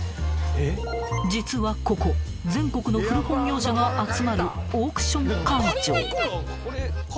［実はここ全国の古本業者が集まるオークション会場］